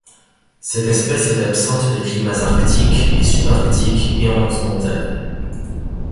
Cette espèce est absente des climats arctiques et subarctiques et en haute montagne.